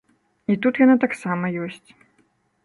І тут яна таксама ёсць.